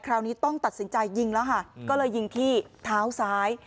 คราวนี้ต้องตัดสินใจยิงแล้วค่ะก็เลยยิงที่เท้าซ้าย